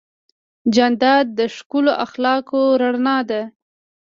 جانداد د ښکلو اخلاقو رڼا ده.